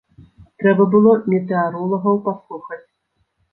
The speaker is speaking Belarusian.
Трэба было метэаролагаў паслухаць.